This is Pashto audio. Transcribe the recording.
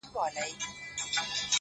• خدای زموږ معبود دی او رسول مو دی رهبر،